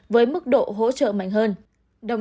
với mức độ hỗ trợ mạnh hơn